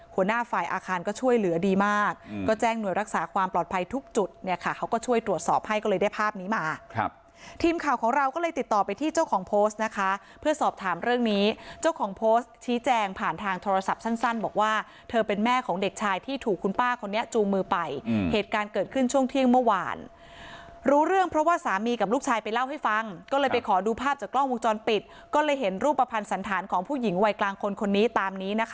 หัวหน้าฝ่ายอาคารก็ช่วยเหลือดีมากก็แจ้งหน่วยรักษาความปลอดภัยทุกจุดเนี่ยค่ะเขาก็ช่วยตรวจสอบให้ก็เลยได้ภาพนี้มาครับทีมข่าวของเราก็เลยติดต่อไปที่เจ้าของโพสต์นะคะเพื่อสอบถามเรื่องนี้เจ้าของโพสต์ชี้แจงผ่านทางโทรศัพท์สั้นบอกว่าเธอเป็นแม่ของเด็กชายที่ถูกคุณป้าคนนี้จูมือไปเหตุการ